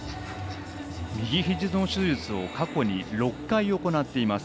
右ひじの手術を過去に６回行っています。